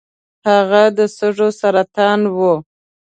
هغه د سږو سرطان و .